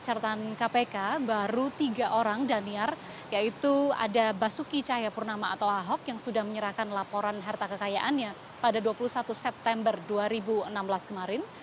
pada saat ini menurut penelitian kpi baru tiga orang daniar yaitu ada basuki cahaya purnama atau ahok yang sudah menyerahkan laporan harta kekayaannya pada dua puluh satu september dua ribu enam belas kemarin